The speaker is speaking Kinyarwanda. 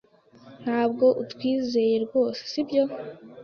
Ntabwo utwizeye rwose, sibyo?